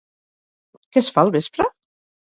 Què es fa al vespre?